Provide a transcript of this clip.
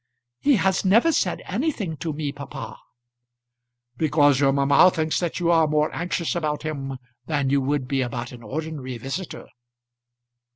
"He has never said anything to me, papa." "Because your mamma thinks that you are more anxious about him than you would be about an ordinary visitor."